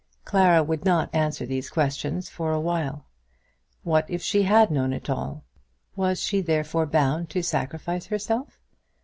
Clara would not answer these questions for a while. What if she had known it all, was she therefore bound to sacrifice herself?